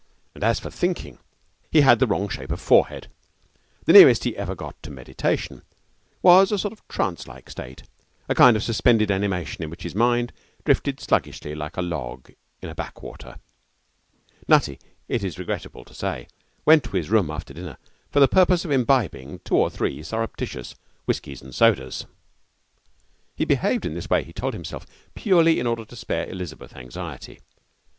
And as for thinking, he had the wrong shape of forehead. The nearest he ever got to meditation was a sort of trance like state, a kind of suspended animation in which his mind drifted sluggishly like a log in a backwater. Nutty, it is regrettable to say, went to his room after dinner for the purpose of imbibing two or three surreptitious whiskies and sodas. He behaved in this way, he told himself, purely in order to spare Elizabeth anxiety.